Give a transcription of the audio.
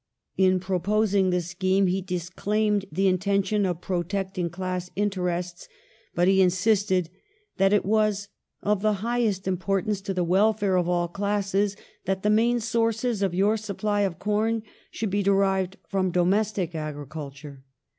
In proposing his scheme he disclaimed the intention of protecting class interests, but he insisted that it was " of the highest importance to the welfare of all classes ... that the main sources of your supply of com should be derived from domestic agriculture".